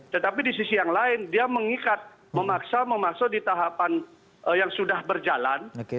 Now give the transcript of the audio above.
tetapi di sisi yang lain dia mengikat memaksa memaksa di tahapan yang sudah berjalan